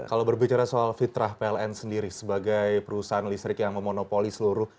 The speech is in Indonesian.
kalau berbicara soal fitrah pln sendiri sebagai perusahaan listrik yang memonopoli seluruh